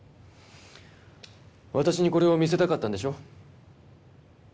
私にこれを見せたかったんでしょ？